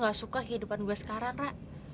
gue gak suka kehidupan gue sekarang ra